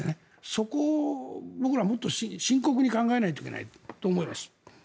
そこを僕らはもっと深刻に考えなきゃいけないと思います。